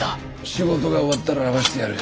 仕事が終わったら会わしてやる。